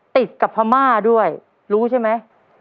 ติดกับพม่าด้วยรู้ใช่ไหม